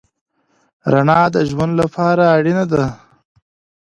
رڼا د ژوند لپاره اړینه ده.